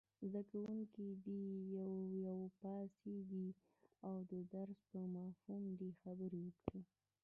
زده کوونکي دې یو یو پاڅېږي او د درس په مفهوم خبرې وکړي.